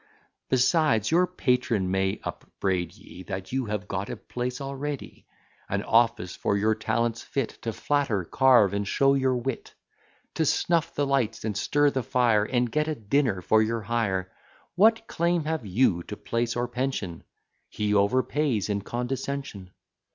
Besides, your patron may upbraid ye, That you have got a place already; An office for your talents fit, To flatter, carve, and show your wit; To snuff the lights and stir the fire, And get a dinner for your hire. What claim have you to place or pension? He overpays in condescension.